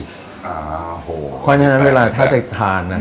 อ่าโหน้ำพริกกะปิพอทีนั้นเวลาทำทานนะฮะ